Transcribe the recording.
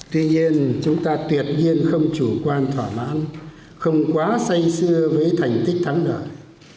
tuy nhiên chúng ta tuyệt nhiên không chủ quan thỏa mãn không quá say xưa với thành tích thắng lợi